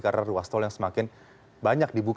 karena ruas tol yang semakin banyak dibuat